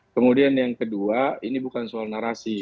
kemudian yang kedua ini bukan soal narasi